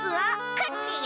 クッキーよ。